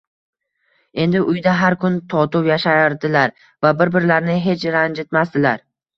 Endi uyda har kun totuv yashardilar va bir-birlarini hech ranjitmasdilar